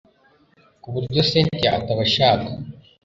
kuburyo cyntia atabashaka